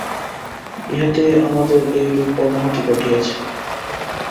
ইহাতেই আমাদের এইরূপ অবনতি ঘটিয়াছে।